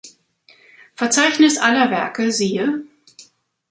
Verzeichnis aller Werke siehe